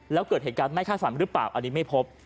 แล้วเกิดเหตุการณ์ไม่คาดฝันหรือเปล่าอันนี้ไม่พบ